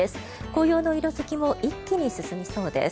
紅葉の色付きも一気に進みそうです。